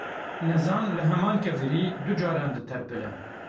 Nezan li heman kevirî du caran diterpile.